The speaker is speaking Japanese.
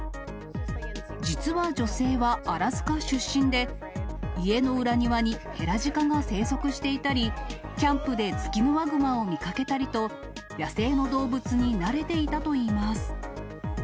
実は女性はアラスカ出身で、家の裏庭にヘラジカが生息していたり、キャンプでツキノワグマを見かけたりと、野生の動物に慣れていたといいます。